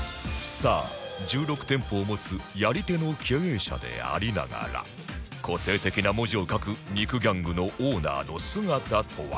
さあ１６店舗を持つやり手の経営者でありながら個性的な文字を書く肉ギャングのオーナーの姿とは？